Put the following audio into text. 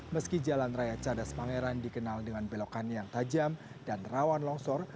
meski jalan raya cadas pangeran dikenal dengan belokan yang tajam dan rawan longsor